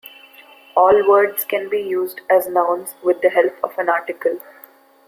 All words can be used as nouns with the help of an article.